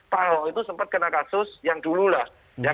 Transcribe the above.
pak ahok itu sempat kena kasus yang dululah